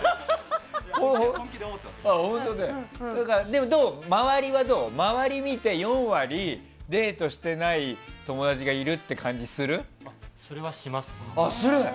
でも、周りを見て、４割デートしていない友達がいるってそれはします。